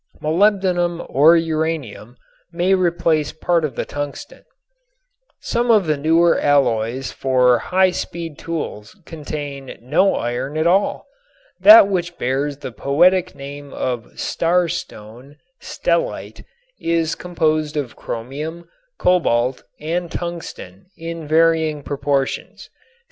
Molybdenum or uranium may replace part of the tungsten. Some of the newer alloys for high speed tools contain no iron at all. That which bears the poetic name of star stone, stellite, is composed of chromium, cobalt and tungsten in varying proportions.